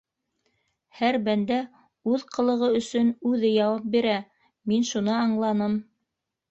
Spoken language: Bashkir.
Һәр бәндә үҙ ҡылығы өсөн үҙе яуап бирә - мин шуны аңланым.